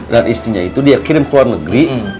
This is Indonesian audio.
dan istrinya itu dia kirim ke luar negeri